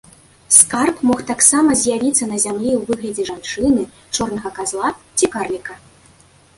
Скарб мог таксама з'явіцца на зямлі ў выглядзе жанчыны, чорнага казла ці карліка.